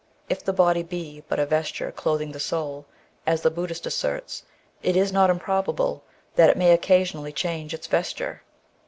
If the body be but a vesture clothing the soul, as the Buddist asserts, it is not improbable that it may occasionally change its vesture.